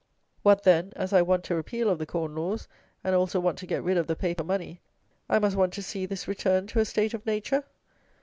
What, then, as I want a repeal of the corn laws, and also want to get rid of the paper money, I must want to see this return to a state of nature?